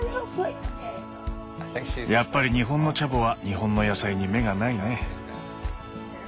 やっぱり日本のチャボは日本の野菜に目がないね。